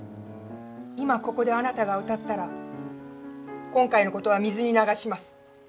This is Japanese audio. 今ここであなたが歌ったら今回のことは水に流します。